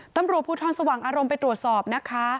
ตำรวจภูทรสว่างอารมณ์ไปตรวจสอบนะคะ